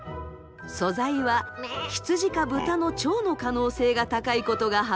素材は羊か豚の腸の可能性が高いことが判明。